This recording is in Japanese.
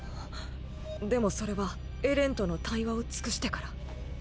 でもそれはエレンとの対話を尽くしてから。